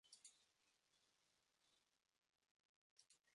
北海道登別市